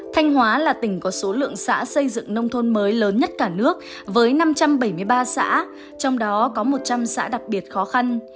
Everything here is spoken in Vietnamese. thanh hóa là tỉnh có số lượng xã xây dựng nông thôn mới lớn nhất cả nước với năm trăm bảy mươi ba xã trong đó có một trăm linh xã đặc biệt khó khăn